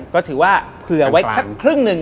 ก็ถือว่าเผื่อไว้สักครึ่งหนึ่ง